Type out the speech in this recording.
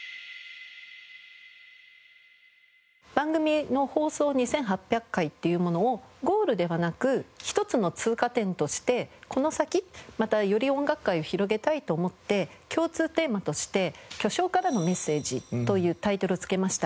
番組の放送２８００回っていうものをゴールではなく一つの通過点としてこの先またより『音楽会』を広げたいと思って共通テーマとして「巨匠からの伝達」というタイトルをつけました。